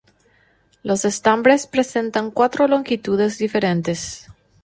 Los estambres presentan cuatro longitudes diferentes.